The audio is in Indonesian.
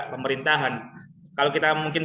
pemerintahan kalau kita mungkin